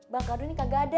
bang cardun ini kagak ada